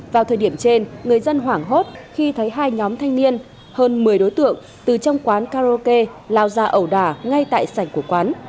vào thời điểm trên người dân hoảng hốt khi thấy hai nhóm thanh niên hơn một mươi đối tượng từ trong quán karaoke lao ra ẩu đả ngay tại sảnh của quán